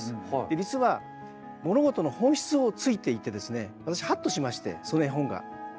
実は物事の本質をついていて私ハッとしましてその絵本が。